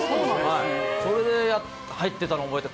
それで入ってたの覚えてる。